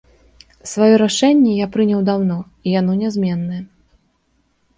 Сваё рашэнне я прыняў даўно, і яно нязменнае.